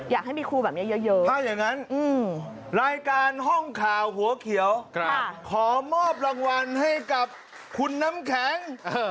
อยากให้มีครูแบบนี้เยอะถ้าอย่างนั้นรายการห้องข่าวหัวเขียวขอมอบรางวัลให้กับคุณน้ำแข็ง